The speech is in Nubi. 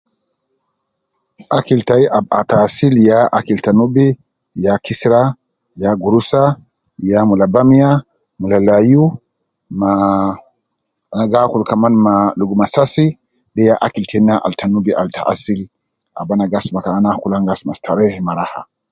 Akil tai aba taasil ya akil ta Nubi ya kisira ya gurusa ya mula bamia mula layu ma na gi akul kaman ma luguma sasi de ya akil tena al te Nubi ab taasil